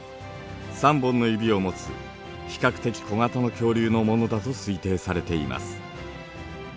３本の指を持つ比較的小型の恐竜のものだと推定されています。